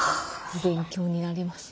勉強になります。